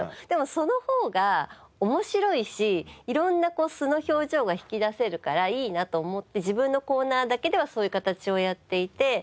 でもその方が面白いし色んな素の表情が引き出せるからいいなと思って自分のコーナーだけではそういう形をやっていて。